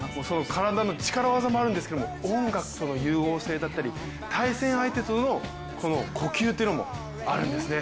体の力技もあるんですけれども音楽との融合性だったり対戦相手との、呼吸っていうのもあるんですね。